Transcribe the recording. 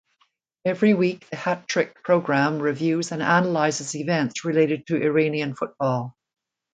Every week the Hattrick program reviews and analyzes events related to Iranian football.